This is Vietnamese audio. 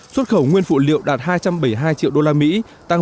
xuất khẩu nguyên phụ liệu đạt hai trăm linh triệu usd tăng một mươi năm